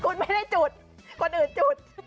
คุณไม่ได้จุดคนอื่นจุด